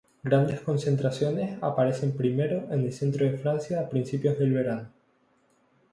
Grandes concentraciones aparecen primero en el centro de Francia a principios del verano.